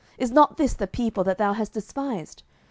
is not this the people that thou hast despised?